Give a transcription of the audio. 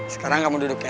sekarang kamu duduk ya